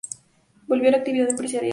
Volvió a la actividad empresarial.